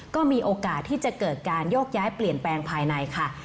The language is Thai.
ก็มีโอกาสที่จะเกิดการโยกย้ายเปลี่ยนแปลงภายในค่ะ